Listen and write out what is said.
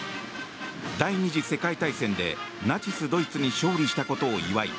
第２次世界大戦でナチスドイツに勝利したことを祝い